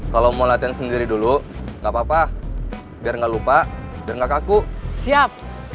kalau mau latihan sendiri dulu enggak papa biar enggak lupa dan kakakku siap